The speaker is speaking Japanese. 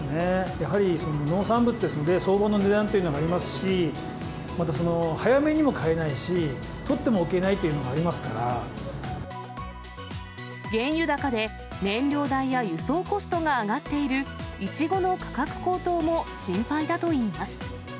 やはり農産物ですので、相場の値段というものがありますし、また早めにも買えないし、取ってもおけないというのがありますか原油高で、燃料代や輸送コストが上がっているイチゴの価格高騰も心配だといいます。